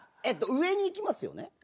えっと上に行きますよね。